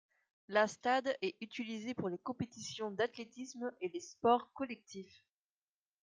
La stade est utilisé pour les compétitions d'athlétisme et les sports collectifs.